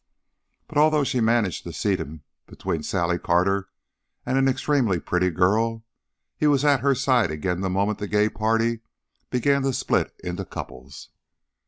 But although she managed to seat him between Sally Carter and an extremely pretty girl, he was at her side again the moment the gay party began to split into couples.